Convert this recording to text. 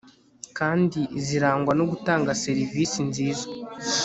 kandi zirangwa no gutanga serivisi nziza